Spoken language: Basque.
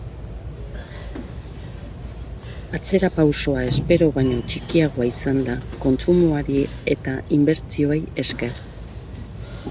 Atzerapausoa espero baino txikiagoa izan da kontsumoari eta inbertsioei esker.